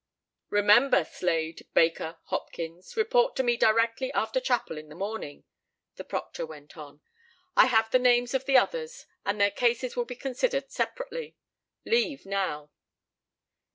"Remember, Slade, Baker, Hopkins report to me directly after chapel in the morning," the proctor went on. "I have the names of the others, and their cases will be considered separately. Leave now!"